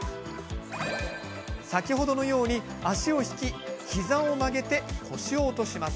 先ほどのように、足を引き膝を曲げて腰を落とします。